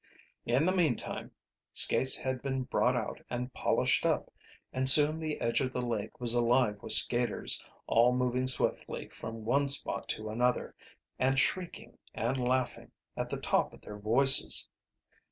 In the meantime skates had been brought out and polished up, and soon the edge of the lake was alive with skaters, all moving swiftly from one spot to another, and shrieking and laughing at the top of their voices.